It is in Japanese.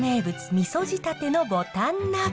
みそ仕立てのぼたん鍋。